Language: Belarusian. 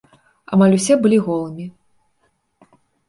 Амаль усе былі голымі.